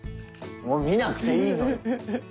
見なくていいの。